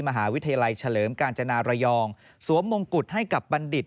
มหาวิทยาลัยเฉลิมกาญจนาระยองสวมมงกุฎให้กับบัณฑิต